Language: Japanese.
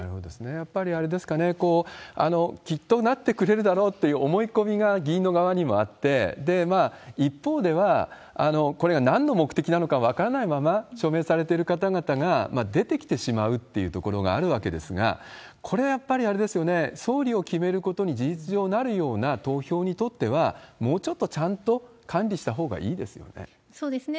やっぱりあれですかね、きっとなってくれるだろうという思い込みが議員の側にもあって、一方では、これがなんの目的なのか分からないまま署名されてる方々が出てきてしまうっていうところがあるわけですが、これはやっぱりあれですよね、総理を決めることに事実上なるような投票にとっては、もうちょっとちゃんと管理したほうがいいですよね。